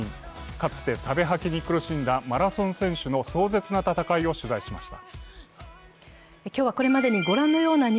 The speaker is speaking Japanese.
かつて、食べ吐きに苦しんだマラソン選手の壮絶な戦いを取材しました。